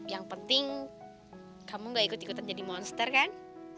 yang penting kamu gak ikut ikutan jadi monster kan